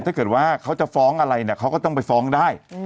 ถ้าเกิดว่าเขาจะฟ้องอะไรเนี่ยเขาก็ต้องไปฟ้องได้